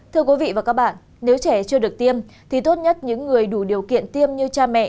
thưa quý vị và các bạn nếu trẻ chưa được tiêm thì tốt nhất những người đủ điều kiện tiêm như cha mẹ